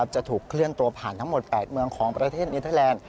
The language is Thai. จะถูกเคลื่อนตัวผ่านทั้งหมด๘เมืองของประเทศเนเทอร์แลนด์